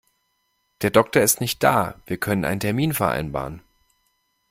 Der Doktor ist nicht da, wir können einen Termin vereinbaren.